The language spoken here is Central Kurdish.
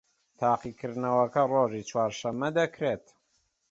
تاقیکردنەوەکە ڕۆژی چوارشەممە دەکرێت